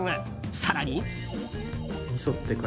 更に。